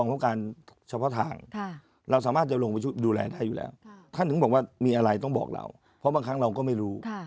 เพราะบางครั้งเราก็ไม่รู้